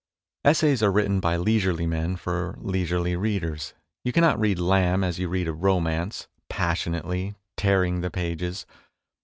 Essays are written by leisurely men for leisurely readers. You cannot read Lamb as you read a romance passionately tear ing the pages.